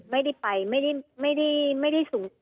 ไม่ได้ไปไม่ได้สูง